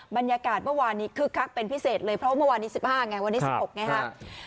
บรรยากาศเมื่อวานนี้คึกคักเป็นพิเศษเลยเพราะเมื่อวานนี้๑๕ไงวันนี้๑๖ไงครับ